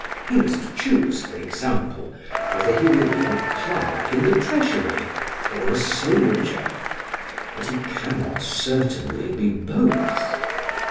He must choose, for example, whether he will be a clerk in the treasury or a soldier; but he cannot certainly be both.